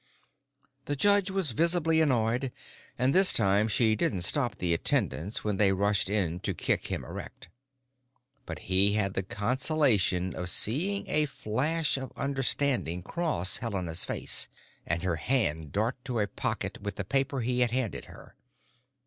The judge was visibly annoyed, and this time she didn't stop the attendants when they rushed in to kick him erect. But he had the consolation of seeing a flash of understanding cross Helena's face, and her hand dart to a pocket with the paper he had handed her.